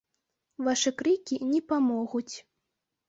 Вашы крыкі не памогуць.